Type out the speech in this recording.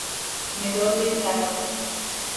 مدال طلا